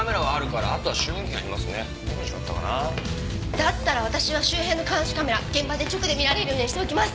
だったら私は周辺の監視カメラ現場で直で見られるようにしておきます！